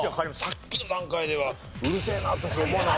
さっきの段階ではうるせぇなとしか思わなかった。